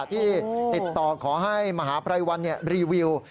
ที่ติดต่อขอให้มหาภัยวันรีวิว